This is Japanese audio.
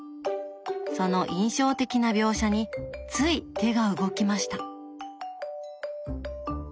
その印象的な描写につい手が動きました。